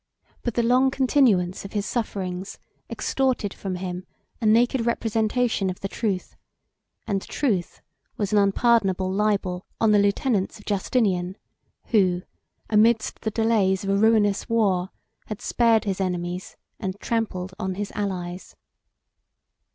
But the long continuance of his sufferings extorted from him a naked representation of the truth; and truth was an unpardonable libel on the lieutenants of Justinian, who, amidst the delays of a ruinous war, had spared his enemies and trampled on his allies.